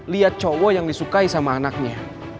lihat cowok yang disukai sama anaknya